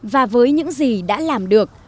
và với những gì đã làm được